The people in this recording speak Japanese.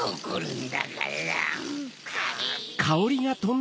ん？